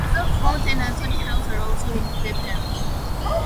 Scraesdon Fort and Antony House are also in the parish.